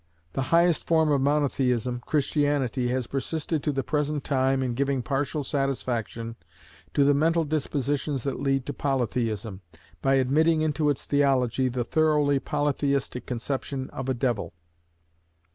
The highest form of Monotheism, Christianity, has persisted to the present time in giving partial satisfaction to the mental dispositions that lead to Polytheism, by admitting into its theology the thoroughly polytheistic conception of a devil.